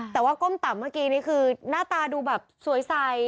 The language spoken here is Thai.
แต่ว่าก้มต่ำเมื่อกี้นี่คือหน้าตาดูแบบสวยใส